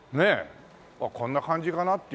こんな感じかなっていうね。